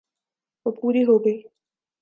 وہ پوری ہو گئی۔